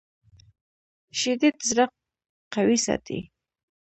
شیدې د زړه قوي ساتي